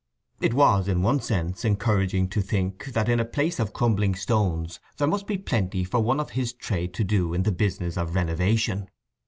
It was, in one sense, encouraging to think that in a place of crumbling stones there must be plenty for one of his trade to do in the business of renovation.